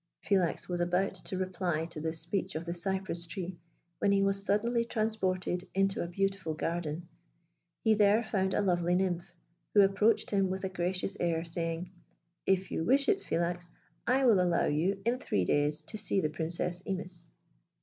Philax was about to reply to this speech of the cypress tree, when he was suddenly transported into a beautiful garden; he there found a lovely nymph, who approached him with a gracious air, saying, "If you wish it, Philax, I will allow you in three days to see the Princess Imis."